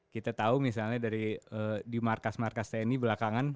kita tahu misalnya dari di markas markas tni belakangan